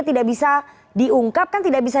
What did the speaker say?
tidak bisa diungkap kan tidak bisa